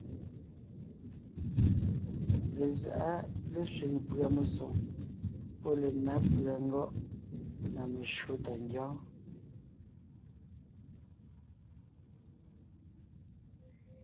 Lezáʼa lésẅiŋ pʉ̀a mesoŋ pɔ́ lenǎ pʉ̀a ngɔ́ʼ na meshÿó tà ńgyɔ́ɔn.